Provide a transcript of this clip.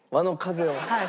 はい。